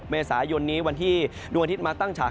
เมษายนนี้วันที่ดวงอาทิตย์มาตั้งฉาก